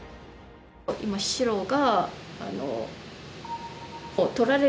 今白が。